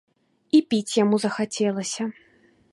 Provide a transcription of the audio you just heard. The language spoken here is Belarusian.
І піць яму захацелася.